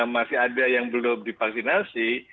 masih ada yang belum divaksinasi